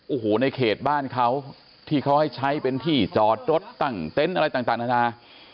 โอ้โหในเขตบ้านเขาที่เขาให้ใช้เป็นที่จอดรถตั้งเต็นต์อะไรต่างนานา